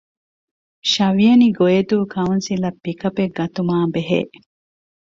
ށ. ގޮއިދޫ ކައުންސިލަށް ޕިކަޕެއް ގަތުމާ ބެހޭ